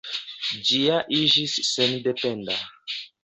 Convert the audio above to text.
Ĝi ja iĝis sendependa.